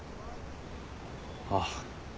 ああ。